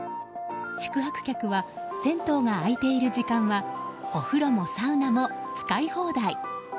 宿泊客は銭湯が空いている時間はお風呂もサウナも使い放題。